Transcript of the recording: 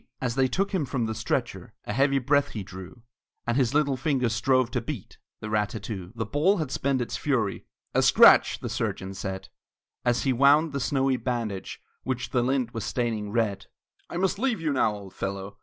As they took him from the stretcher A heavy breath he drew, And his little fingers strove to beat The rat tat too! The ball had spent its fury: "A scratch!" the surgeon said, As he wound the snowy bandage Which the lint was staining red. "I must leave you now, old fellow!"